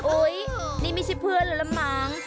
โอ๊ยนี่ไม่ใช่เพื่อนละละมั้ง